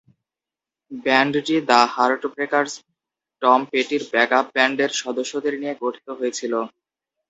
ব্যান্ডটি the Heartbreakers, Tom পেটির backup ব্যান্ডের সদস্যদের নিয়ে গঠিত হয়েছিল।